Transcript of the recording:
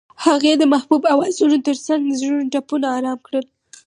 هغې د محبوب اوازونو ترڅنګ د زړونو ټپونه آرام کړل.